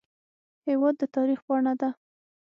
هېواد د تاریخ پاڼه ده.